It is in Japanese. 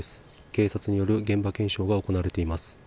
警察による現場検証が行われています。